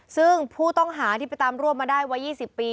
ซึ่งผู้ต้องหาที่ไปตามรวบมาได้ไว้๒๐ปี